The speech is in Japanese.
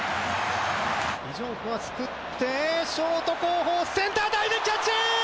イ・ジョンフがすくってショート後方センターダイビングキャッチ！